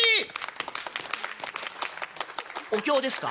「お経ですか？」。